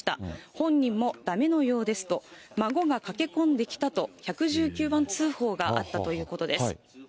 本人もだめのようですと、孫が駆け込んできたと、１１９番通報があったということです。